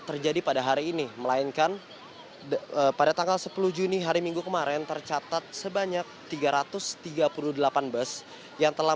terjadi pada hari ini melainkan pada tanggal sepuluh juni hari minggu kemarin tercatat sebanyak tiga ratus tiga puluh delapan bus yang telah